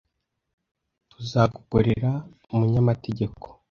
Tuzagukorera umunyamategeko.